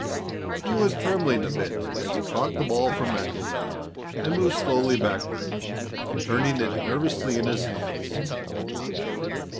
He was trembling a bit as he caught the ball from MacIlvaine and moved slowly backward, turning it nervously in his hands.